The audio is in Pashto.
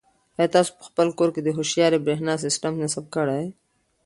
آیا تاسو په خپل کور کې د هوښیارې برېښنا سیسټم نصب کړی؟